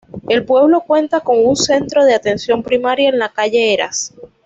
El pueblo cuenta con un centro de atención primaria en la Calle Eras.